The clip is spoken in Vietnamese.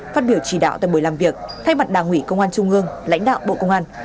phát biểu chỉ đạo tại buổi làm việc thay mặt đảng ủy công an trung ương lãnh đạo bộ công an